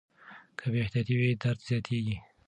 که بې احتیاطي وي درد زیاتېږي.